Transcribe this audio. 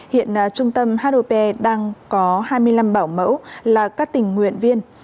hiện trung tâm hop đang có hai mươi năm bảo mẫu là các tình nguyện viên